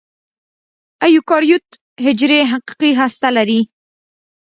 ایوکاریوت حجرې حقیقي هسته لري.